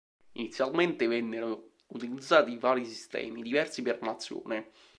Inizialmente vennero utilizzati vari sistemi, diversi per nazione.